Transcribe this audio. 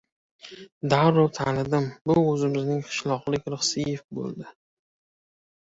Darrov tanidim, bu o‘zimizning qishloqlik Rixsiyev bo‘ldi.